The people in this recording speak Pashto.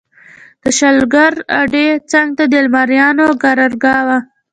د شولګر اډې څنګ ته د المانیانو قرارګاه وه.